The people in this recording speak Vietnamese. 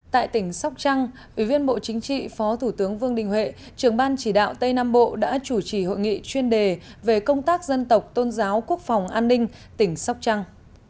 tại tỉnh sóc trăng ủy viên bộ chính trị phó thủ tướng vương đình huệ trưởng ban chỉ đạo tây nam bộ đã chủ trì hội nghị chuyên đề về công tác dân tộc tôn giáo quốc phòng an ninh tỉnh sóc trăng